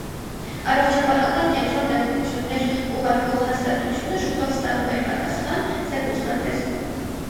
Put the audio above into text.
Առողջապահական կենտրոն տեղեկություններ ուղարկող հաստատությունը շուտով ստանում էր պատասխան՝ զեկուցման տեսքով։